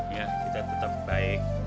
kita tetap baik